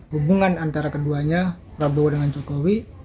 hubungan antara keduanya prabowo dengan jokowi